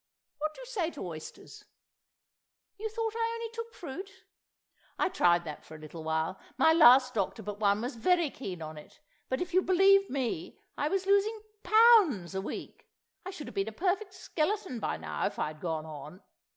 ... What do you say to oysters? ... You thought I only took fruit? I tried that for a little while; my last doctor but one was very keen on it; but if you believe me, I was losing pounds a week! I should have been a perfect skeleton by now if I'd gone on.